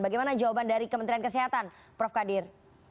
bagaimana jawaban dari kementerian kesehatan prof kadir